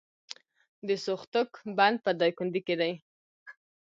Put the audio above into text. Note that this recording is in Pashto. د سوختوک بند په دایکنډي کې دی